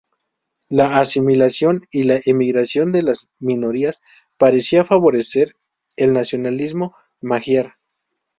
La asimilación y la emigración de las minorías parecía favorecer el nacionalismo magiar.